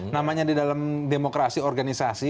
namanya di dalam demokrasi organisasi